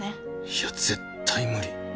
いや絶対無理。